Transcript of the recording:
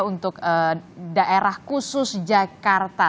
untuk daerah khusus jakarta